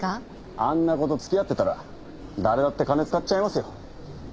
あんな子と付き合ってたら誰だって金使っちゃいますよ。